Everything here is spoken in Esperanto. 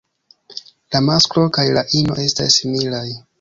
La masklo kaj la ino estas similaj.